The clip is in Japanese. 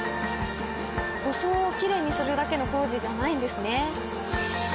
装をきれいにするだけの工事じゃないんですね。